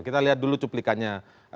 kita lihat dulu cuplikannya